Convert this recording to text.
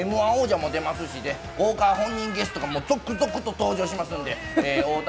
Ｍ−１王者も出ますし、豪華本人ゲストも続々と登場します。